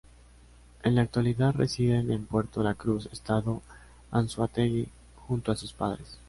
En la actualidad residen en Puerto La Cruz, estado Anzoátegui, junto a sus padres.